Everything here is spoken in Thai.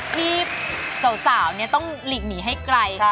ที่สาวต้องหลีกหนีให้ไกล